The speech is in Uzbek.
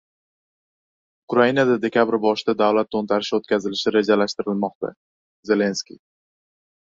“Ukrainada dekabr boshida davlat to‘ntarishi o‘tkazish rejalashtirilmoqda” — Zelenskiy